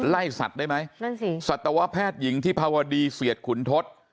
สัตว์ได้ไหมนั่นสิสัตวแพทย์หญิงที่ภาวดีเสียดขุนทศ